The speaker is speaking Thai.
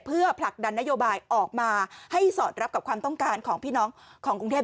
เพื่อผลักดันนโยบายออกมาให้สอดรับกับความต้องการของพี่น้องของกรุงเทพ